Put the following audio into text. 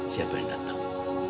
siapa yang datang